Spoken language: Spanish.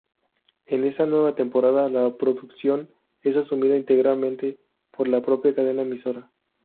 En esa nueva temporada, la producción es asumida íntegramente por la propia cadena emisora.